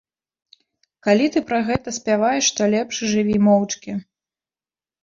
Калі ты пра гэта спяваеш, то лепш жыві моўчкі.